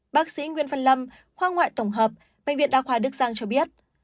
bác sĩ nguyên phân lâm khoa ngoại tổng hợp bệnh viện đa khoa đức giang cho biết